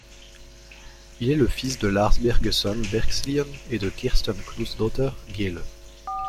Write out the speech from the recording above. Il est le fils de Lars Bergeson Bergslien et de Kirsten Knutsdotter Gjelle.